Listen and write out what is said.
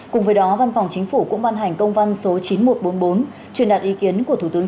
cùng với đó văn phòng chính phủ cũng ban hành công văn số chín nghìn một trăm bốn mươi bốn truyền đạt ý kiến của thủ tướng